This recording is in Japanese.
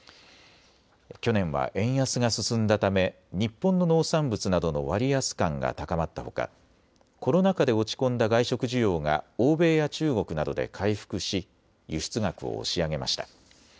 去年は円安が進んだため日本の農産物などの割安感が高まったほかコロナ禍で落ち込んだ外食需要が欧米や中国などで回復し輸出額を押し上げました。